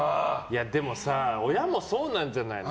でも親もそうなんじゃないの？